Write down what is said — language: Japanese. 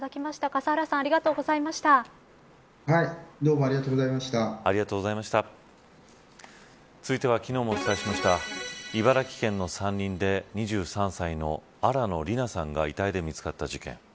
笠原さんどうも続いては昨日もお伝えしました茨城県の山林で２３歳の新野りなさんが遺体で見つかった事件。